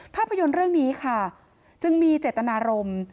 ภาพยนตร์เรื่องนี้ค่ะจึงมีเจตนารมณ์